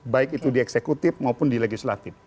baik itu di eksekutif maupun di legislatif